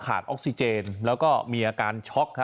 ออกซิเจนแล้วก็มีอาการช็อก